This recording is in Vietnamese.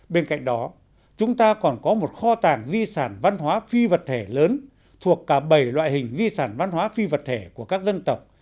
bên cạnh đó chúng ta còn có một kho tàng di sản văn hóa phi vật thể lớn thuộc cả bảy loại hình di sản văn hóa phi vật thể của các dân tộc